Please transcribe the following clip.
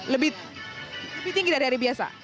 lebih tinggi dari hari biasa